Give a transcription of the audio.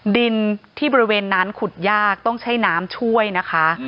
ดินที่บริเวณนั้นขุดยากต้องใช้น้ำช่วยนะคะ